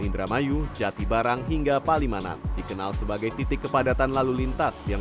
indramayu jatibarang hingga palimanan dikenal sebagai titik kepadatan lalu lintas yang